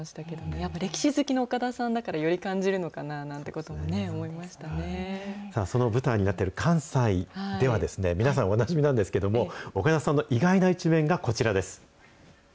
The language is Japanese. やっぱり歴史好きの岡田さんだから、より感じるのかなぁなんてこともね、その舞台になっている関西ではですね、皆さんおなじみなんですけども、岡田さんの意外な一面がこちらです。